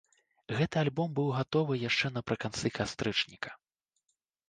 Гэты альбом быў гатовы яшчэ напрыканцы кастрычніка.